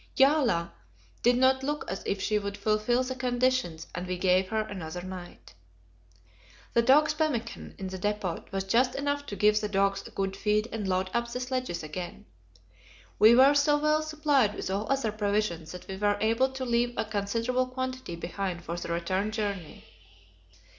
Jaala did not look as if she would fulfil the conditions, but we gave her another night. The dogs' pemmican in the depot was just enough to give the dogs a good feed and load up the sledges again. We were so well supplied with all other provisions that we were able to leave a considerable quantity behind for the return journey.